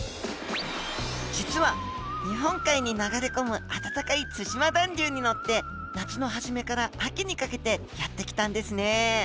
実は日本海に流れ込む暖かい対馬暖流に乗って夏の初めから秋にかけてやって来たんですね。